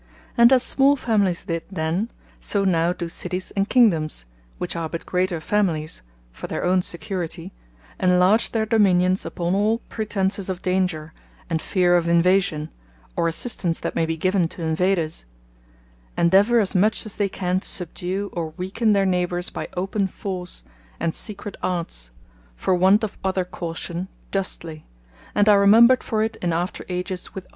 And as small Familyes did then; so now do Cities and Kingdomes which are but greater Families (for their own security) enlarge their Dominions, upon all pretences of danger, and fear of Invasion, or assistance that may be given to Invaders, endeavour as much as they can, to subdue, or weaken their neighbours, by open force, and secret arts, for want of other Caution, justly; and are remembred for it in after ages with honour.